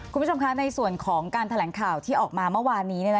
คุณผู้ชมคะในส่วนของการแถลงข่าวที่ออกมาเมื่อวานนี้